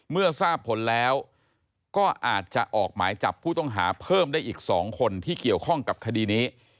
เมื่อทราบผลแล้วก็อาจจะออกหมายจับผู้ต้องหาเพิ่มได้อีก๒คนที่เกี่ยวข้องกับคดีนี้